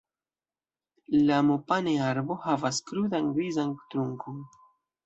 La mopane-arbo havas krudan, grizan trunkon.